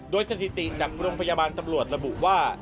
โดยสถิติจากโรงพยาบาลตำรวจระบุว่า